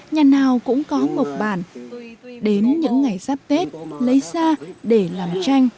nhà nào cũng có một bản đến những ngày sắp tết lấy ra để làm tranh